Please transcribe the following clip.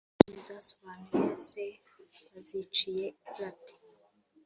“Filime zisobanuye se baziciye bate